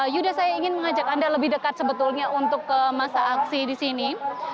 yuda saya ingin mengajak anda lebih dekat sebetulnya untuk ke masa aksi di sini